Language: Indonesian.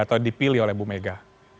atau dipilih oleh bu mega